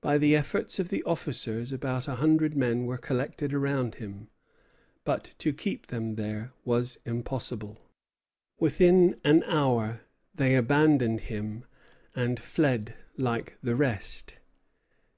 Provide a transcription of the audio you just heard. By the efforts of the officers about a hundred men were collected around him; but to keep them there was impossible. Within an hour they abandoned him, and fled like the rest.